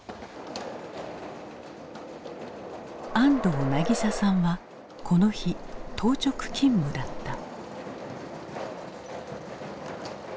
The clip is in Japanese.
安藤なぎささんはこの日当直勤務だった。